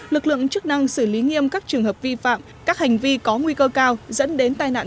lực lượng chức năng xử lý nghiêm các trường hợp vi phạm các hành vi có nguy cơ cao dẫn đến tai nạn